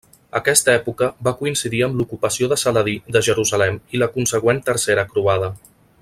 Aquesta època va coincidir amb l'ocupació de Saladí de Jerusalem i la consegüent tercera croada.